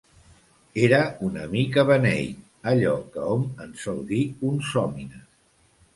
Era una mica beneit, allò que hom en sol dir un sòmines.